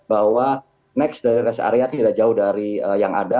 bahwa next dari rest area tidak jauh dari yang ada